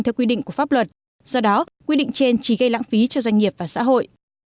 theo quy định của pháp luật do đó quy định trên chỉ gây lãng phí cho doanh nghiệp và xã hội